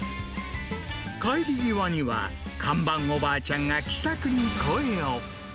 帰り際には、看板おばあちゃんが気さくに声を。